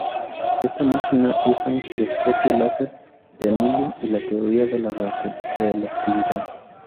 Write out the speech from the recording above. Esta máquina usa un giroscopio láser de anillo y la teoría de la relatividad.